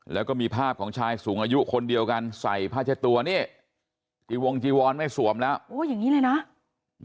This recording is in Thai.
แล้วก็มีภาพของชายสูงอายุคนเดียวกันใส่ผ้าเช็ดตัวนี่จีวงจีวอนไม่สวมแล้วโอ้อย่างนี้เลยนะ